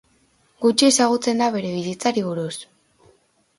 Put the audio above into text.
Gutxi ezagutzen da bere bizitzari buruz.